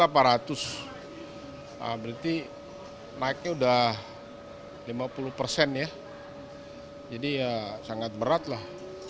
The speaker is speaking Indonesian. berarti naiknya udah lima puluh persen ya jadi ya sangat berat lah